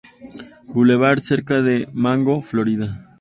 Blvd., cerca de Mango, Florida.